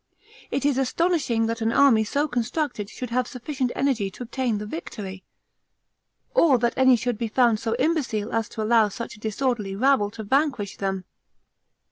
It is astonishing, that an army so constructed should have sufficient energy to obtain the victory, or that any should be found so imbecile as to allow such a disorderly rabble to vanquish them.